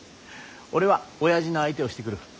俺はおやじの相手をしてくる。